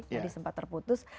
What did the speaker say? tadi sempat terputus